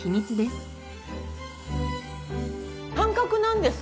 感覚なんですか？